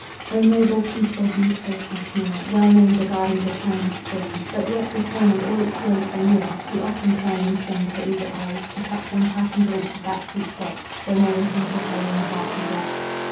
O noble, peaceful, beautiful Cashmere! Well named the garden of eternal spring! But yet, with home and all its joys so near. She often turned and strained her eager eyes To catch one parting glimpse of that sweet spot Where more than half of her young heart was left.